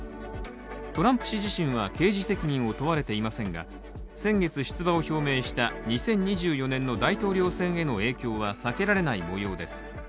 トランプ氏自身は刑事責任を問われていませんが、先月出馬を表明した２０２４年の大統領選への影響は避けられないもようです。